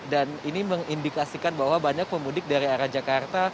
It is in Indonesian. dan ini mengindikasikan bahwa banyak pemudik dari arah jakarta